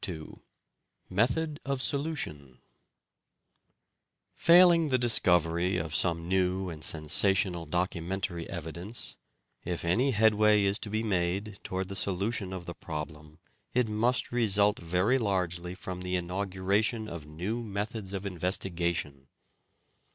II METHOD OF SOLUTION Failing the discovery of some new and sensational documentary evidence, if any headway is to be made towards the solution of the problem it must result very largely from the inauguration of new methods of investigation.